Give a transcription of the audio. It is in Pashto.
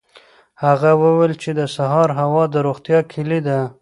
هغه وویل چې د سهار هوا د روغتیا کلي ده.